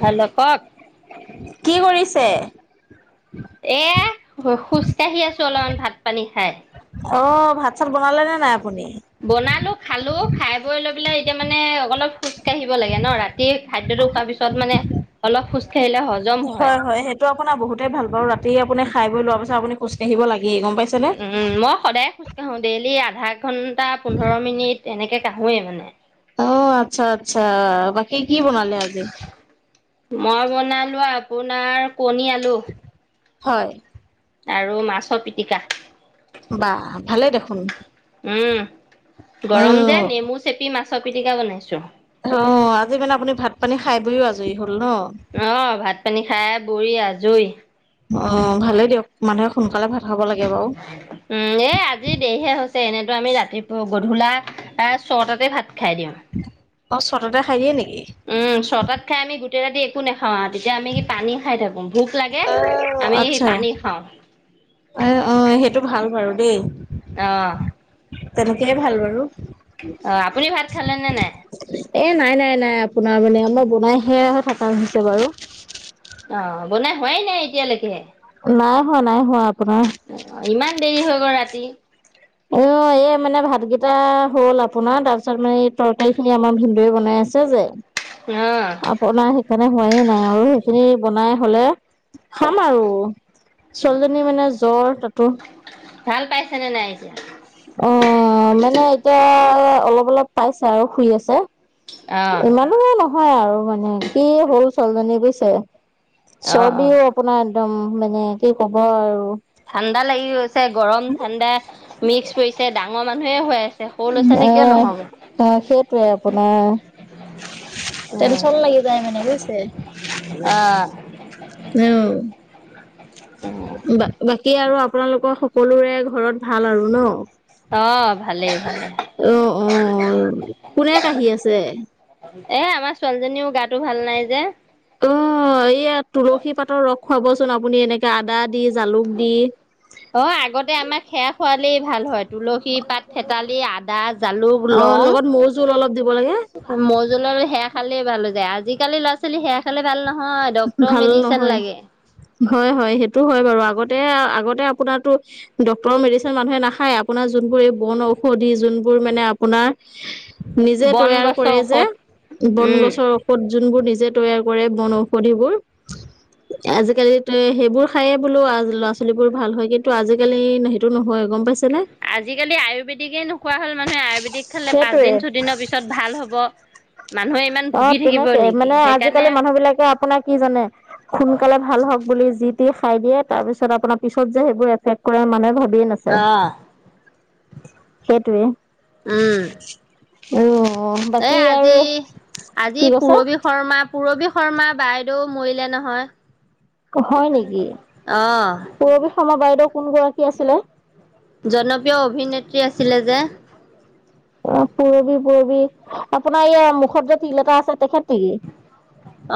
Hello কওঁক। কি কৰিছে? এ খোজকাাঢ়ি আছো অলপমান ভাত পানী খাই। অ', ভাত চাত বনালে নে নাই আপুনি? বনালো খালো খাই বৈ লৈ পেলাই এতিয়া মানে অলপ খোজ কাঢ়িব লাগে ন ৰাতি খাদ্যতো খোৱাৰ পিছত মানে অলপ খোজ কাঢ়িলে হজম হয়, হয় সেইটো আপোনাৰ বহুতেই ভাল পাৰ ৰাতি আপুনি খাই বৈ লোৱাৰ পাছত আপুনি খোজকাঢ়িব লাগিয়ে গ'ম পাইছে নে। মই সদায় খোজ কাঢ়োঁ, ডেইলি আধা ঘণ্টা পোন্ধৰ মিনিট এনেকৈ কাঢ়োৱেই মানে। অ', আচ্ছা, আচ্ছা বাকী কি বনালে আজি মই বনালো আপোনাৰ কণী আলু হয়। আৰু মাছৰ পিটিকা। বাহ ভালে দেখোন। উম গৰম যে অ', নেমু চেপি মাছৰ পিটিকা বনাইছোঁ। অ', আজি মানে আপুনি ভাত পানী খাই বৈও আজৰি হল ন। অ', ভাত পানী খাই বৈ আজুৰি। অ', ভালেই দিয়ক মানুহে সোনকালে ভাত খাব লাগে বাৰু। উম এ আজি দেৰিহে হৈছে এনেতো আমি ৰাতিপুৱা গধূলা ছটাতে ভাত খাই দিওঁ। অ', ছটাতে খাই দিয়ে নেকি। উম ছটাত খাই আমি গোটেই ৰাতি একো নাখাওঁ আৰু তেতিয়া আমি কি পানী খাই থাকো ভোক লাগে। অ', আমি সেই পানী খাওঁ। এ অ', সেইটো ভাল বাৰু দেই। অ'। তেনেকেইে ভাল বাৰু। এ নাই, অ আপুনি ভাত খালে নে নাই নাই, নাই আপোনাৰ মানে আমাৰ বনাই সে থাকা হৈছে বাৰু। অ', বনাই হোৱাই নাই এতিয়ালৈকেহে। নাই হোৱা, নাই হোৱা আপোনাৰ। অ', ইমান দেৰি হৈ গ'ল ৰাতি। অ', এই মানে ভাতকেইটা হ'ল আপোনাৰ তাৰ পিছত মানে এই তৰকাৰী খিনি আমাৰ ভিনদেউ বনাই আছে। চবে। [inaudible] বনাই সেইকাৰণে হোৱাই নাই আৰু সেইখিনি বনাই হ'লে খাম আৰু। ছোৱালীজনী মানে জ্বৰ তাতো। ভাল পাইছেনে নাই এতিয়া। অ', মানে এতিয়া অলপ, অলপ পাইছে আৰু শুই আছে। অ'। জানু নহয় আৰু মানে কি হ'ল ছোৱালীজনী পিছে অ অ চৰ্দিও। আপোনাৰ একদম মানে কি ক'ব আৰু। ঠাণ্ডা লাগি গৈছে গৰম ঠাণ্ডা মিক্স পৰিছে ডাঙৰ মানুহে হয়। আহ অ', সেইটোৱে আপোনাৰ। অ টেনচন লাগি যায় মানে বুজিছে। অ'। উম। কি আৰু আপোনালোকৰ সকলোৰে ঘৰত ভাল আৰু ন'? অ' ভালেই ভালে অহ, অহ, অহ, কোনে কাঁহি আছে? এ, আমাৰ ছোৱালীজনীও গাতো ভাল নাই যে। অ', এইয়া তুলসী পাতৰ ৰস খুৱাবচোন আপুনি, এনেকে আদা দি, জালুক দি। অ', আগতে আমাৰ সেয়া খোৱালেই ভাল হয়, তুলসী পাত, থেতালি আ আদা, জালুক, অ', লং লগত মৌ জোল অলপ দিব লাগে মৌ জুল, সেয়া খালে ভাল হৈ যায়, আজিকালি ল'ৰা ছোৱালী ছোৱালী সেয়া খালে ভাল নহয়, ডক্তৰৰ ভাল মেডিচিন নহয়। লাগে। হয়, হয়, সেইটো হয় বাৰু, আগতে, আগতে আপোনাৰটো ডক্তৰৰ মেডিচিন মানুহে নাখায় আপোনাৰ যোনবোৰ এই বন ঔষধি, যোনবোৰ মানে আপোনাৰ নিজে বন তৈয়াৰ গছৰ কৰে যে, ঔষধ বন উম গছৰ ঔষধ যোনবোৰ নিজে তৈয়াৰ কৰে, বন ঔষধিবোৰ আজিকালি সেইবোৰ খায়েই বোলো ল'ৰা ছোৱালী বোৰ ভাল হয়, কিন্তু ত' আজিকালি সেইটো নহয়, গম পাইছা। আজিকালি আয়ুৰ্বেদিকে নোখোৱা হ'ল মানুহে, আয়ুৰ্বেদিক খালে সেইটোৱে পাঁচদিন, ছয়দিনৰ পিছত ভাল হ'ব, মানুহে ইমান অ', ভুগি থাকিব তেনেকে নেকি মানে সেইকাৰণে আজিকালি মানুহ বিলাকে আপোনাৰ কি জানে? সোনকালে ভাল হওঁক বুলি যিটি খাই দিয়ে, তাৰ পিছত আপোনাৰ পিছত যে সেইবোৰ এফেক্ট কৰে মানুহে ভাবিয়ে নাচায়। অ' সেইটোৱে। উম। অ, অ', এ বাকী আৰু আজি আজি কি কৈছা পুৰবী শৰ্মা, পূুৰবী শৰ্মা বাইদেউ মৰিলে নহয়। হয় নেকি। অহ পুৰৱী শৰ্মা বাইদেউ কোন গৰাকী আছিলে? জনপ্ৰিয় অভিনেত্ৰী আছিলে যে। অ', পুৰবি পুৰবি, আপোনাৰ এয়া মুখত যে তিল এটা আছে তেখেত নেকি?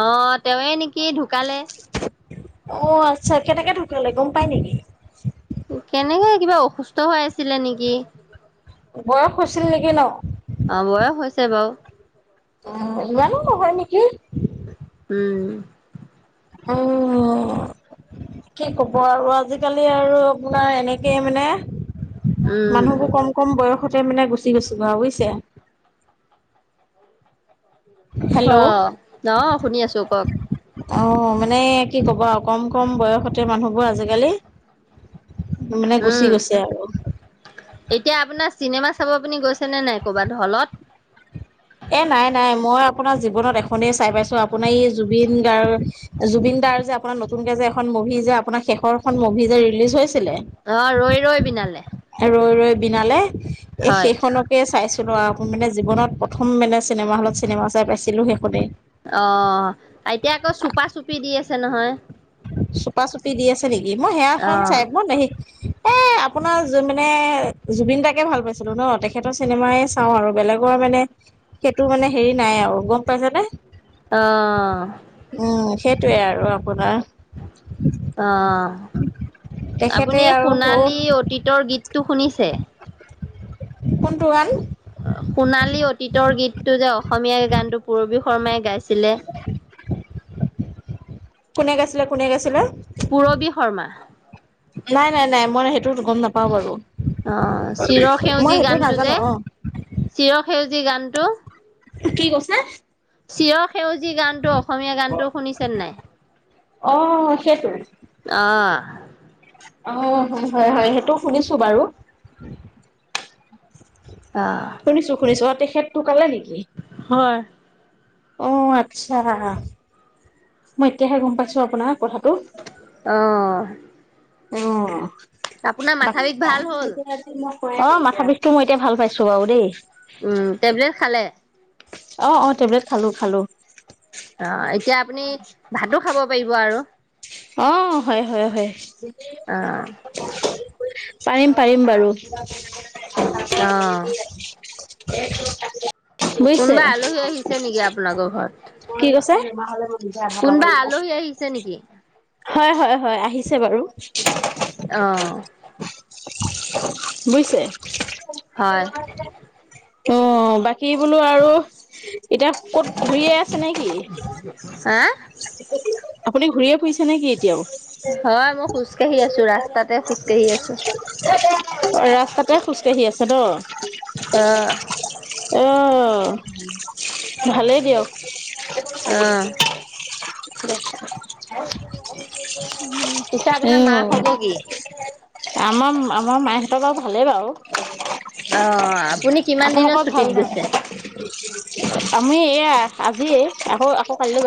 অ', তেওঁৱে নেকি, ঢুকালে। অ', আচ্ছা, কেনেকে ঢুকালে গম পাই নেকি? কেনেকে কিবা অসুস্থ হৈ আছিলে নেকি। বয়স হৈছিল নেকি, ন'? অ', বয়স হৈছে বাৰু। অ', ইমানো নহয় নেকি। উম। উম। কি ক'ব আৰু, আজিকালি আৰু আপোনাৰ এনেকেই মানে উম মানুহবোৰ কম, কম বয়সতে মানে গুচি গৈছে আৰু বুজিছে। হেল্ল' অ অ শুনি আছো কওক অ', মানে কি ক'ব আৰু, কম কম বয়সতে মানুহবোৰ আজিকালি মানে উম। গুচি গৈছে আৰু। এতিয়া আপোনাৰ চিনেমা চাব আপুনি গৈছে নে নাই, কৰ'বাত হলত? এ নাই নাই, মই আপোনাৰ জীৱনত এখনেই চাই পাইছোঁ, আপোনাৰ এই জুবিন গাৰ্গ জুবিন দাৰ যে, আপোনাৰ নতুনকে যে এখন মুভি যে আপোনাৰ শেষৰ খন মুভি যে ৰিলিজ হৈছিলে অ', ৰৈ ৰৈ বিনালে। ৰৈ ৰৈ বিনালে, এই হয় সেইখনক সেয়া চাইছিলো আৰু, মানে জীৱনত প্ৰথম মানে চিনেমা হলত চিনেমা চাই পাইছিলোঁ সেইখনেই। অ', এতিয়া আকৌ চুপা-চুপি দি আছে নহয়। চুপা-চুপি দি আছে নেকি, মই সেয়া অ এখন চাই পোৱা নাই, মই এ [inaudible] আপোনাৰ জু মানে, জুবিন দাকে ভাল পাইছিলোঁ ন', তেখেতৰ চিনেমাই চাওঁ আৰু বেলেগৰ মানে সেইটো মানে হেৰি নাই আৰু, গম পাইছে নে? অ'। উ, সেইটোৱে আৰু আপোনাৰ। অ', তেখেতে আপুনি আৰু সৰু সোণালী অতীতৰ গীতটো শুনিছে? কোনটো গান? সোণালী অতীতৰ গীতটো যে অসমীয়া গানটো পূৰবী শৰ্মাই গাইছিলে। [inaudible] কোনে গাইছিলে, কোনে গাইছিলে? পূৰবী শৰ্মা। নাই, নাই, নাই, মই সেইটো গম নাপাওঁ বাৰু। অ', চিৰ মই সেউজি সেইটো গানটো যে, নাজানো অ। চিৰ সেউজি গানটো। কি কৈছে? চিয় সেউজী গানটো, অসমীয়া গানটো শুনিছেন নাই? অ', সেইটো। অ'। অ', হয়, হয়, সেইটো শুনিছো বাৰু। অ'। শুনিছো শুনিছো, অ‌', তেখেত‌ ঢুকালে নেকি? হয়। অ', আচ্ছা। মই এতিয়াহে গম পাইছোঁ আপোনাৰ কথাটো। অ'। অ', আপোনাৰ বাক মাথা বিষ [unintelligible] ভাল হ'ল? অ', মাথা বিষটো মই এতিয়া ভাল পাইছো বাৰু দেই। উ, টেবলেট খালে? অ', অ', টেবলেট খালোঁ, খালোঁ। অ', এতিয়া আপুনি ভাতো খাব পাৰিব আৰু। অ', হয়, হয়, হয়। অ', পাৰিম, পাৰিম বাৰু। অ', বুইছে। কোনোবা আলহী আহিছে নেকি আপোনালোকৰ ঘৰত? কি কৈছে? কোনোবা আলহী আহিছে নেকি? হয়, হয়, হয়, আহিছে বাৰু। অ'। বুইছে? হয়। অ', বাকী বোলো আৰু এতিয়া ক'ত ঘূৰিয়ে আছে নে কি? হা? আপুনি ঘূৰি য়ে ফুৰিছে নে কি এতিয়াও? হয়, মই খোজকাঢ়ি আছো ৰাস্তাতে খোজকাঢ়ি আছো। ৰাস্তাতে খোজকাাঢ়ি আছে ত'। অ', অ', ভালেই দিয়ক। অ'। [unintelligible] পিছে আপোনাৰ মা খবৰ কি? আমাম আমাৰ মাইহঁতৰ বাৰু ভালেই বাৰু। অ', আপুনি কিমান দিনৰ আপোনালোকৰ ছুটিত ভাল গৈছে? নাই? আমি এয়া, আজিয়ে, আকৌ আকৌ কাইলৈ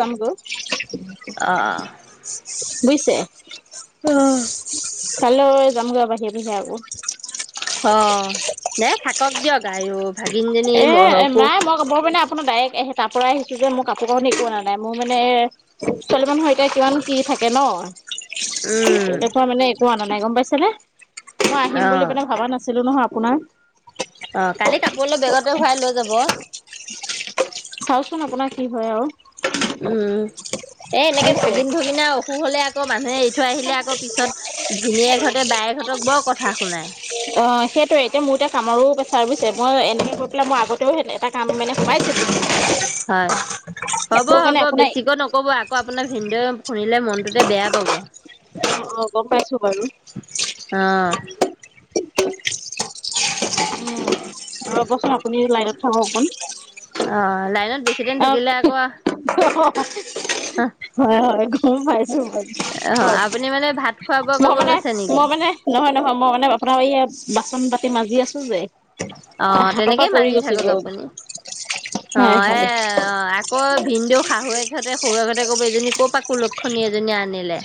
অ', যামগৈ। বুইছে? অ'। কাইলৈ যামগৈ বাহিৰে বাহিৰে আকৌ। অ'। দে, থাকক দিয়ক আয় ভাগিনজনী এ মই ৰখো। নাই মই মই মানে আপোনাৰ ডাইৰেক্ট এহে তাৰ পৰাই আহিছো যে মোৰ কাপোৰ কানি একো অনা নাই মোৰ মানে ছোৱালী মানুহৰ এতিয়া কিমান কি থাকে ন! উম, তেনেকুৱা মানে একো অনা নাই গ'ম পাইছে নে। মই আহিম বুলি অ', পিনে ভাবা নাছিলো নহয় আপোনাৰ। অ', কালি কাপোৰ অলপ বেগতে ভৰাই লৈ যাব। চাওঁচোন আপোনাৰ কি হয় আৰু। উম এ এনেকে বুজিছে ভাগিন ভিগনা অসুখ হলে আকৌ মানুহে থৈ আহিলে আকৌ পিছত ভিনীয়েকহঁতে বায়েহঁতক বৰ কথা শুনায়। অ', সেইটোয়ে এতিয়া মোৰ এতিয়া কামৰো প্ৰেছ বুছে মই এনেকে কৰি পেলাই মই আগতেও। তাহ মানে খুৱাই থো। হয় হ'ব, হ'ব বেছিকৈ নক'ব আকৌ আপোনাৰ ভিনদেউ শুনিলে মন ততে বেয়া পাব অ'। অ গম পাইছো উম। ৰ'বচোন আপুনি লাইনত চাব অকন অ' লাইনত বেছি টাইম অক থাকিলে আকৌ অ' হয়, হয়, গম পাইছোঁ মই অ', আপুনি মানে ভাত খোৱা বোৱা মই কৰিব মানে লৈছে নেকি? মই মানে নহয়, নহয় মই মানে আপোনাৰ এই বাচন বাাতি মাজি আছোঁ যে অ', হাতৰ পৰা তেনেকেই পৰি মাজী গৈছে থাকক গৈ আপুনি হয় অ', এ হয় অ', আকৌ ভিন দেউ শাহুৱহঁততে শহু এহঁতে কব এজনী ক'ৰপা কুলক্ষণী আনিলে।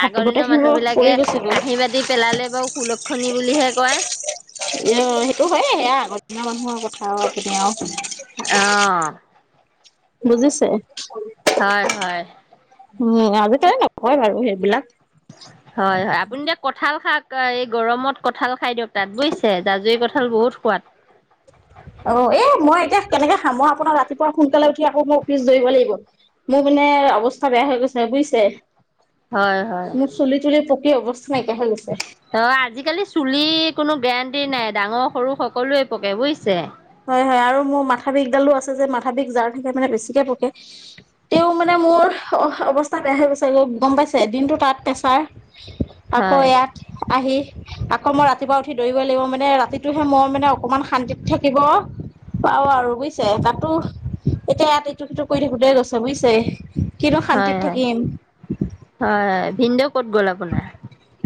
হাত আগৰ দিনৰ মানুহ গোটেইখিনি বিলাকে পৰি গৈছে গৈ কাঁহী বাতি পেলালে বাৰু কুলক্ষণি বুলিহে কয়। এ সেইটো হয়ে এয়া আগৰ দিনৰ মানুহৰ কথা আৰুপি আৰু। অ'। বুজিছে। হয়, হয়। উম আজি কালি নকয় বাৰু সেইবিলাক। হয়, হয় আপুনি এতিয়া কঁঠাল খাক এই গৰমত কঁঠাল খাই দিয়ক তাত বুজিছে জাজুৰি কঁঠাল কঁঠাল বহুত সোৱাদ। অ', এ মই এতিয়া কেনেকে খাম আপোনাৰ ৰাতিপুৱা সোনকালে উঠি আকৌ মোৰ অফিচ ধৰিব লাগিব। মোৰ মানে অৱস্থা বেয়া হৈ গৈছে বুজিছে। হয় হয় মোৰ চুলি তুলি পকী অৱস্থা নাইকিয়া হৈ গৈছে। অ', আজিকালি চুলিৰ কোনো গেৰাণ্টি নাই ডাঙৰ সৰু সকলোৱে পকে বুজিছে। হয়, হয় আৰু মোৰ মাথা বিষডালো আছে যে মাথা বিষ যাৰ থাকে মানে বেছিকে পকে। তেওঁ মানে মোৰ অ', অৱস্থা বেয়া হৈ গৈছে গ'ম পাইছে দিনতটো তাত পেছাৰ। আকৌ হয় ইয়াত। আহি আকৌ মই ৰাতিপুৱা উঠি দৌৰিবই লাগিব মানে ৰাতিটোহে মোৰ মানে অকমান শান্তিত থাক থাকিব পাওঁ আৰু বুজিছে তাতো এতিয়া ইয়াত এইটো সিটো কৰি থাকোঁতে গৈছে বুজিছে। কিনো শান্তিত হয়, হয়, হয়, থাকিম হয় ভিনদেউ ক'ত গ'ল আপোনাৰ।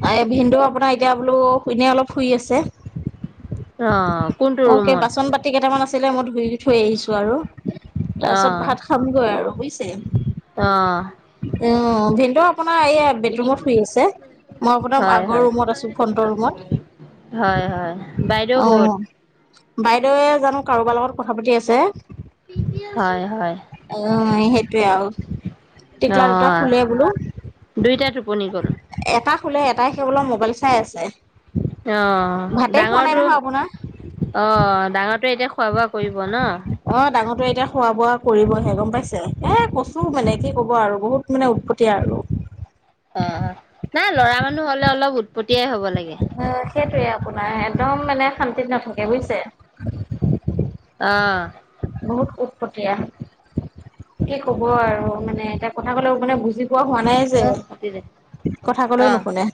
এই ভিন্দেউ আপোনাৰ এতিয়া বোলো শুনে অলপ শুই আছে। অ'। কোনটো অ', কে ৰুমত বাচন বাতি কেইটামান আছিলে মই ধুই থৈ আহিছোঁ আৰু অ তাৰপিছত ভাত খামগৈ আৰু বুজিছে। অ'। উম ভিনদেউ আপোনাৰ এই বেডৰুমত শুই আছে মই আপোনাৰ হয় আগৰ হয় ৰুমত আছো ফ্ৰটৰ ৰুমত। হয়, হয় বাইদৰেেউ অ ক'ত? বাইদেৱে জানো কাৰোবাৰ লগত কথা পাতি আছে। হয়, হয়। অ', সেইটোৱে আৰু। অ টিকলা দুটা শুলে বোলো। দুইটা টোপনি গ'ল এটা শুলে এটাই সেইবোলো মোবাইল চাই আছে। অ' ভাতে খোৱা নাই ডাঙৰটো নহয় আপোনাৰ অ' ডাঙৰটোৱে এতিয়া খোৱা বোৱা কৰিব ন'। অ' ডাঙৰটোৱে এতিয়া খোৱা বোৱা কৰিবহে গম পাইছে, এ, কচু মানে কি ক'ব আৰু বহুত মানে উৎপতীয়া আৰু। অ' নাই ল'ৰা মানুহ হ'লে অলপ উৎপতীয়া হ'ব লাগে। সেইটোৱে আপোনাৰ একদম মানে শান্তিত নাথাকে বুজিছে। [inaudible] অ'। বহুত উৎপটীয়া। কি ক'ব আৰু মানে এতিয়া কথা ক'লে মানে বুজি পোৱা হোৱা নাই যে, অ কাটি দে কথা ক'লেও অ নুশুনে।